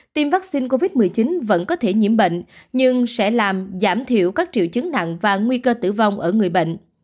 tiêm vaccine covid một mươi chín vẫn có thể nhiễm bệnh nhưng sẽ làm giảm thiểu các triệu chứng nặng và nguy cơ tử vong ở người bệnh